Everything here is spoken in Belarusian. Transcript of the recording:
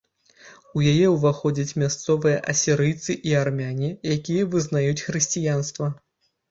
У яе ўваходзяць мясцовыя асірыйцы і армяне, якія вызнаюць хрысціянства.